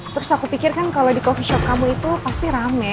terus aku pikir kan kalau di coffee shop kamu itu pasti rame